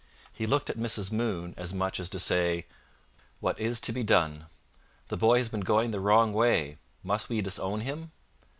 He looked at Mrs. Moon as much as to say, "What is to be done? The boy has been going the wrong way: must we disown him?"